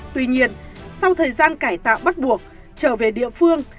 tuy nhiên sau thời gian cải tạo bắt buộc trở về địa phương